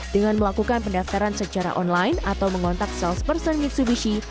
dengan melakukan pendaftaran secara online atau mengontak salesperson mitsubishi